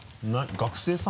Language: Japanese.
学生さん？